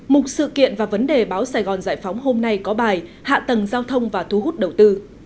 một sự kiện và vấn đề báo sài gòn giải phóng hôm nay có bài hạ tầng giao thông và thu hút đầu tư